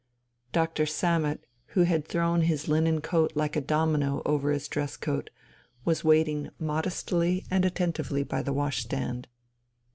Dr. Sammet, who had thrown his linen coat like a domino over his dress coat, was waiting modestly and attentively by the washstand.